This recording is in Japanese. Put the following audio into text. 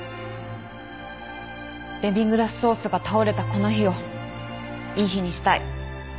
デミグラスソースが倒れたこの日をいい日にしたい。